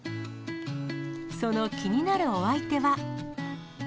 その気になるお相手は。